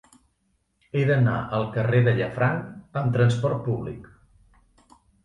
He d'anar al carrer de Llafranc amb trasport públic.